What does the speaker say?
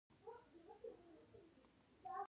آیا د ایران هندواڼې افغانستان ته نه راځي؟